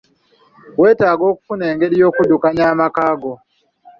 Weetaaga okufuna engeri y'okuddukaanya amaka go.